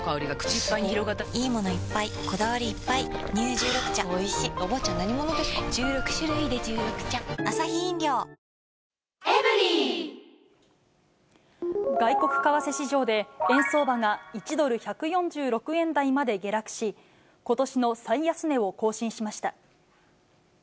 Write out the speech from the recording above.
十六種類で十六茶外国為替市場で、円相場が１ドル１４６円台まで下落し、ことしの最安値を更新しました。